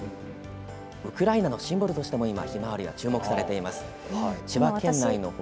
ウクライナのシンボルとしても今、ヒマワリは注目されています。